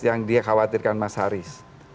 yang dia khawatirkan mas haris